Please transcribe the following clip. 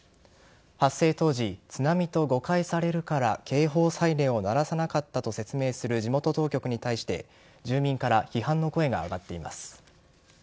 発生当時、津波と誤解されるから警報サイレンを鳴らさなかったと説明する地元当局に対して住民から批判の声が上がっています。